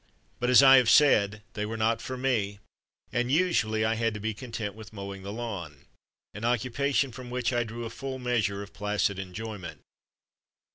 But as I have said, they were not for me, and usually I had to be content with mowing the lawn, an occu pation from which I drew a full measure of placid enjoyment.